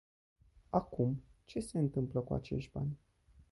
Acum, ce se întâmplă cu acești bani?